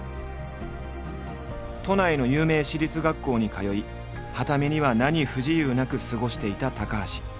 都内の有名私立学校に通いはた目には何不自由なく過ごしていた高橋。